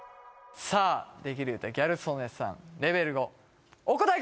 さあできる言うたギャル曽根さんレベル５お答え